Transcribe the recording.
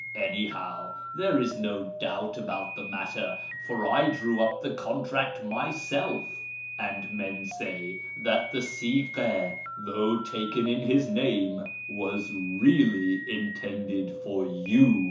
Any how, there is no douht ahout tlic matter, for \ ilicw up tlui contract myself. And men say that tlie ><i!ili'i, 1Ii(>ul;1i taken in his name, was really intended for you."